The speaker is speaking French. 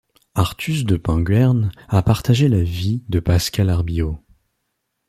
Artus de Penguern a partagé la vie de Pascale Arbillot.